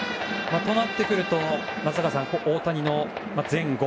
こうなってくると松坂さん、大谷の前後